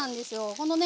このね